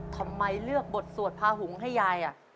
ทำไมเลือกบทสวดพาหุงให้ยาย